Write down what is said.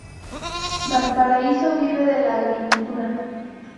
Valparaíso vive de la agricultura.